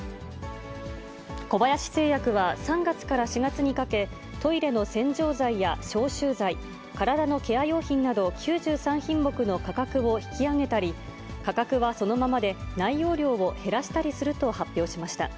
小林製薬は３月から４月にかけ、トイレの洗浄剤や消臭剤、体のケア用品など９３品目の価格を引き上げたり、価格はそのままで内容量を減らしたりすると発表しました。